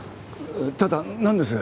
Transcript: ただなんです？